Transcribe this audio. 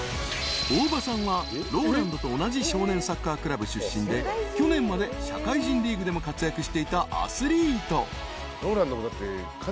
［大庭さんはＲＯＬＡＮＤと同じ少年サッカークラブ出身で去年まで社会人リーグでも活躍していたアスリート］